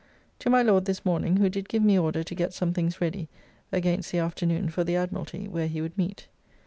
To my Lord this morning, who did give me order to get some things ready against the afternoon for the Admiralty where he would meet.